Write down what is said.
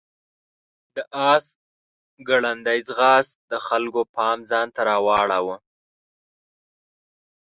د آس ګړندی ځغاست د خلکو پام ځان ته راواړاوه.